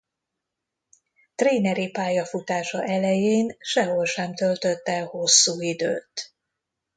Tréneri pályafutása elején sehol sem töltött el hosszú időt.